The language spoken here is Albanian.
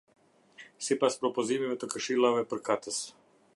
Sipas propozimeve të këshillave përkatës.